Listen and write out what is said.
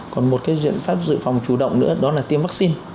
còn một cái biện pháp dự phòng chủ động nữa đó là tiêm vắc xin